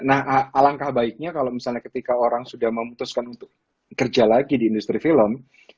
nah alangkah baiknya kalau misalnya ketika orang sudah memutuskan untuk kerja lagi di industri film